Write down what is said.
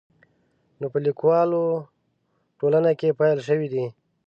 نو په لیکوالو ټولنه کې پیل شوی دی.